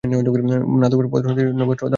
নাত্র ব্যাধশরাঃ পতন্তি পরিতো নৈবাত্র দাবানলঃ।